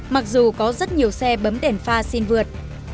mặc dù có rất nhiều xe bấm đèn pha xin vượt